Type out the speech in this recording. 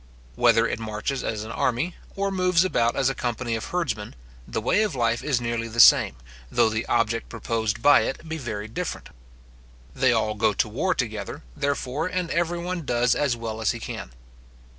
Whether it marches as an army, or moves about as a company of herdsmen, the way of life is nearly the same, though the object proposed by it be very different. They all go to war together, therefore, and everyone does as well as he can.